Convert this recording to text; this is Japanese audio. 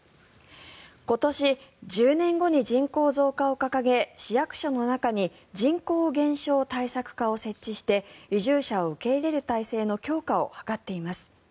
今年１０年後に人口増加を掲げ市役所の中に人口減少対策課を設置して移住者を受け入れる体制の強化を図っています。